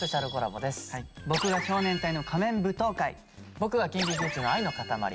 僕はＫｉｎＫｉＫｉｄｓの「愛のかたまり」。